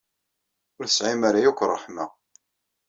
Ur tesɛim ara akk ṛṛeḥma.